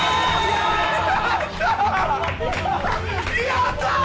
やったー！